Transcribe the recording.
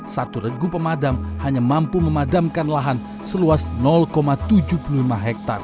satu regu pemadam hanya mampu memadamkan lahan seluas tujuh puluh lima hektare